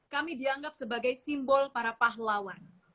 kami dianggap sebagai simbol para pahlawan